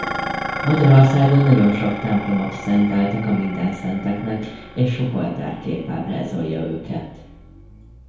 Magyarországon nagyon sok templomot szenteltek a Mindenszenteknek és sok oltárkép ábrázolja őket.